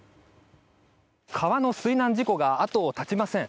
川の水難事故が後を絶ちません。